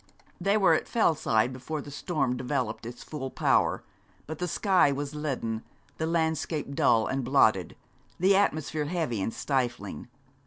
They were at Fellside before the storm developed its full power, but the sky was leaden, the landscape dull and blotted, the atmosphere heavy and stifling.